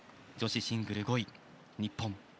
女子シングル５位、日本。